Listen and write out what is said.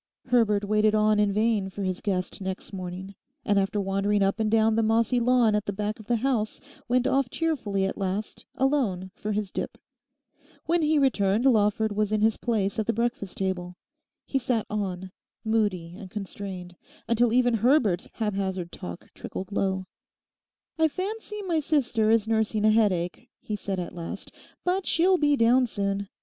Herbert waited on in vain for his guest next morning, and after wandering up and down the mossy lawn at the back of the house, went off cheerfully at last alone for his dip. When he returned Lawford was in his place at the breakfast table. He sat on, moody and constrained, until even Herbert's haphazard talk trickled low. 'I fancy my sister is nursing a headache,' he said at last, 'but she'll be down soon.